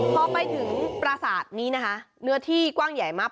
พอไปถึงปราศาสตร์นี้นะคะเนื้อที่กว้างใหญ่มาก